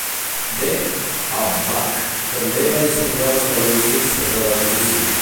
B. Hubback també va dissenyar els elements fixes de l'edifici.